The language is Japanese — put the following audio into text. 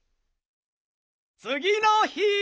つぎの日！